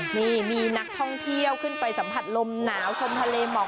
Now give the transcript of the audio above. นี่มีนักท่องเที่ยวขึ้นไปสัมผัสลมหนาวชมทะเลหมอก